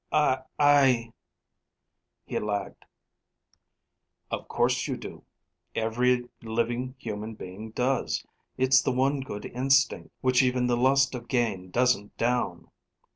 "I " he lagged. "Of course you do. Every living human being does. It's the one good instinct, which even the lust of gain doesn't down.